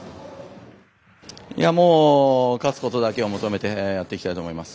もう勝つことだけを求めてやっていきたいと思います。